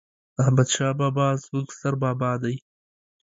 احمد شاه بابا ﺯموږ ستر بابا دي